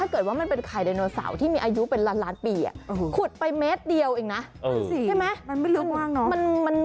ก็ข้าเตากันไปแหละนะ